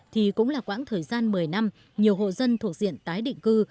thì cũng là quãng thời gian một mươi năm nhiều hộ dân thuộc diện tái định cư